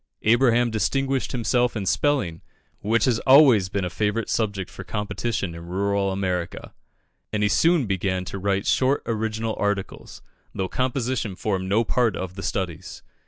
Abraham distinguished himself in spelling, which has always been a favourite subject for competition in rural America, and he soon began to write short original articles, though composition formed no part of the studies.